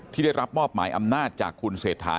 ที่ได้รับมอบหมายอำนาจจากคุณเศรษฐา